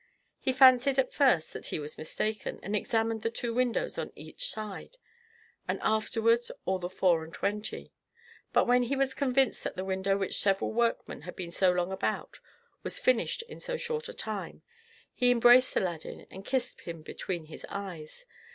He fancied at first that he was mistaken, and examined the two windows on each side, and afterward all the four and twenty; but when he was convinced that the window which several workmen had been so long about was finished in so short a time, he embraced Aladdin and kissed him between his eyes.